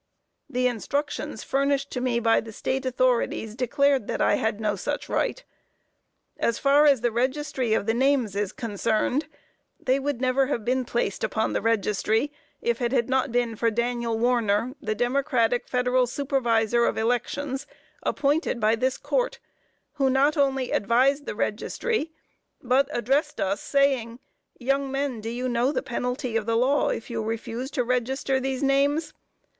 The instructions furnished me by the State authorities declared that I had no such right. As far as the registry of the names is concerned, they would never have been placed upon the registry, if it had not been for Daniel Warner, the Democratic federal Supervisor of elections, appointed by this Court, who not only advised the registry, but addressed us, saying, 'Young men, do you know the penalty of the law if you refuse to register these names?'